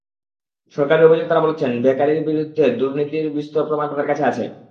সরকারি অভিযোক্তারা বলছেন, ভেকারির বিরুদ্ধে দুর্নীতির বিস্তর প্রমাণ তাঁদের কাছে আছে।